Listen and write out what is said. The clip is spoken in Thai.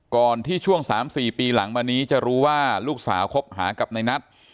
ก่อนที่ช่วง๓๔ปีหลังมานี้จะรู้ว่าลูกสาวคบหากับในนัท